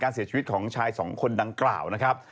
เสียชีวิตของชายสองคนดังกล่าวนะครับ